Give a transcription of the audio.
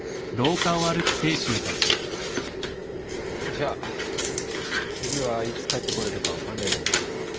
じゃあ次はいつ帰ってこれるか分かんないけど。